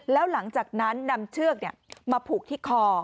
แล้วหลังจากนั้นนำเชือกมาผูกที่คอ